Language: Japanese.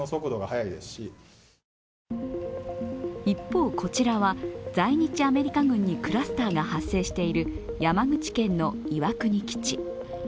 一方、こちらは在日アメリカ軍にクラスターが発生している山口県の岩国基地。